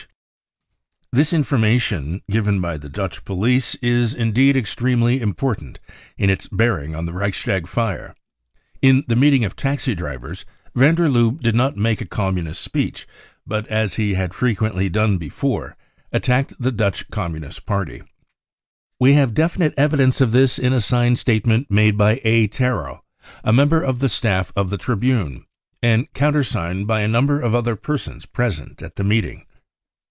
ill k 96 BROWN BOOK OF THE HITLER TERROR This information given by the Dutch police is indeed extremely important in its bearing on the Reichstag fire* In the meeting of taxi drivers van der Lubbe did not make a Communist speech, but, as he had frequently done before, attacked the Dutch Communist Party, We have definite evidence of this in a signed statement made by A. Terol, a member of the staff of the Tribune , and countersigned by a number of other persons present at the meeting.